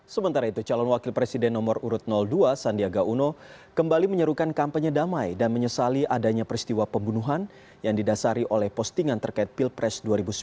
sementara itu calon wakil presiden nomor urut dua sandiaga uno kembali menyerukan kampanye damai dan menyesali adanya peristiwa pembunuhan yang didasari oleh postingan terkait pilpres dua ribu sembilan belas